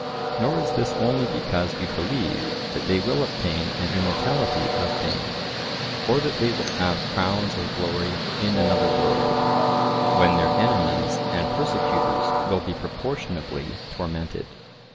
Nor is this only because we believe that they will obtain an immortality of fame, or that they will have crowns of glory in another world, when their enemies and persecutors will be proportionably tormented.